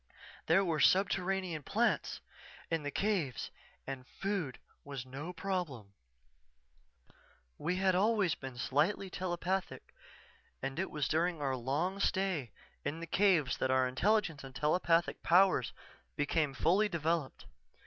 There were subterranean plants in the caves and food was no problem._" "_We had always been slightly telepathic and it was during our long stay in the caves that our intelligence and telepathic powers became fully developed.